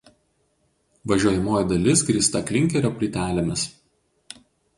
Važiuojamoji dalis grįsta klinkerio plytelėmis.